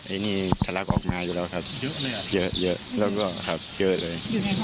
ไอ้นี่ถลักออกมาอยู่แล้วครับเยอะแล้วก็ครับเยอะเลย